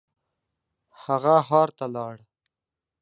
هغه ښار ته لاړ.